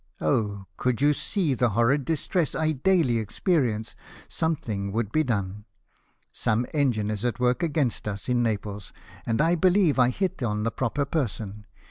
Oh ! could you see the horrid distress I daily experience something would be done ! Some engine is at work against us in Naples ; and I believe I hit on the proper person.